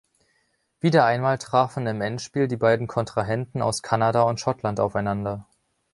Wieder einmal trafen im Endspiel die beiden Kontrahenten aus Kanada und Schottland aufeinander.